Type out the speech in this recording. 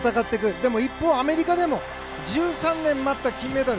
でも一方、アメリカでも１３年待った金メダル。